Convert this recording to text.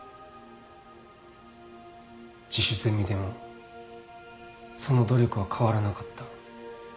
自主ゼミでもその努力は変わらなかった。